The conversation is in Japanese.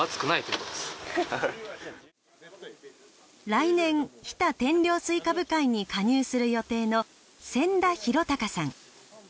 来年日田天領西瓜部会に加入する予定の千田浩貴さん。